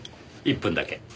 １分だけ。